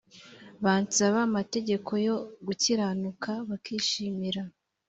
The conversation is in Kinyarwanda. bansaba amategeko yo gukiranuka bakishimira